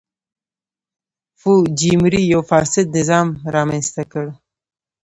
فوجیموري یو فاسد نظام رامنځته کړ.